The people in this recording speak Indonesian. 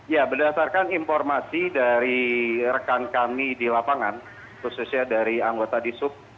ya berdasarkan informasi dari rekan kami di lapangan khususnya dari anggota disub